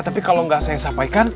tapi kalau nggak saya sampaikan